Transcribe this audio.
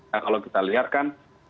nah kalau kita lihat kan